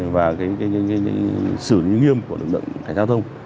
và sự nghiêm của lực lượng cảnh giao thông